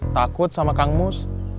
takut sama kang mus